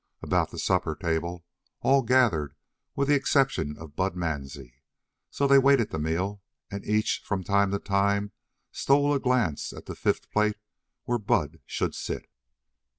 About the supper table all gathered with the exception of Bud Mansie. So they waited the meal and each from time to time stole a glance at the fifth plate where Bud should sit.